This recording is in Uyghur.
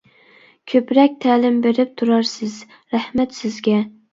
كۆپرەك تەلىم بېرىپ تۇرارسىز، رەھمەت سىزگە!